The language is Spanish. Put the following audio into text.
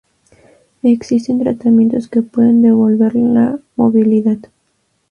Existen tratamientos que pueden devolver la movilidad.